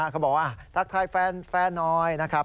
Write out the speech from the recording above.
เขาบอกว่าทักทายแฟนหน่อยนะครับ